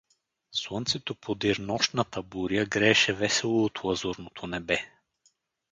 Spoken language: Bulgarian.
Слънцето, подир нощната буря, грееше весело от лазурното небе.